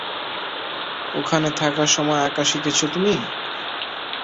ওখানে থাকার সময় আঁকা শিখেছো তুমি?